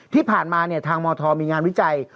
ที่ผ่านมาทางมธมีงานวิจัย